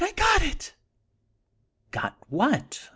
I GOT IT!!" "Got what?